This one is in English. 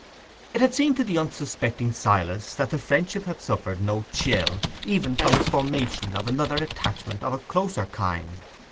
It had seemed to the unsuspecting Silas that the friendship had suffered no chill even from his formation of another attachment of a closer kind.